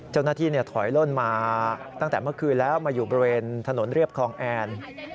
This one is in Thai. เจ้าหน้าที่ถอยล่นมาตั้งแต่เมื่อคืนแล้วมาอยู่บริเวณถนนเรียบคลองแอน